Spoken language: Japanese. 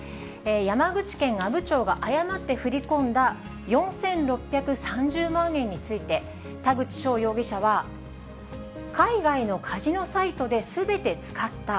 山口県阿武町が誤って振り込んだ４６３０万円について、田口翔容疑者は、海外のカジノサイトですべて使った。